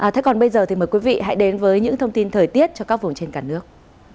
thế còn bây giờ thì mời quý vị hãy đến với những thông tin thời tiết cho các vùng trên cả nước